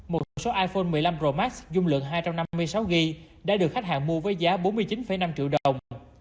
một số iphone một mươi năm pro max dung lượng hai trăm năm mươi sáu g đã được khách hàng mua với giá bốn mươi chín năm triệu đồng